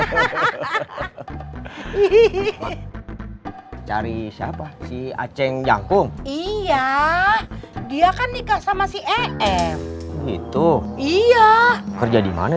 hahaha cari siapa si aceh jangkung iya dia kan nikah sama si em itu iya kerja di mana